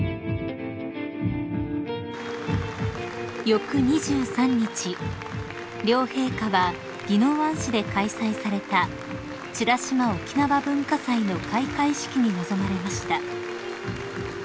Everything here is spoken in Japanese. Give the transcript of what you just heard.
［翌２３日両陛下は宜野湾市で開催された美ら島おきなわ文化祭の開会式に臨まれました］